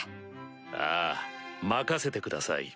ああ任せてください。